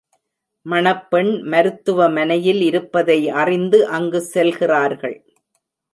மணப்பெண் மருத்துவமனையில் இருப்பதை அறிந்து அங்கு செல்கிறார்கள்.